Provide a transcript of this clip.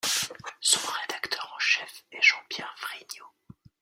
Son rédacteur en chef est Jean-Pierre Vrignaud.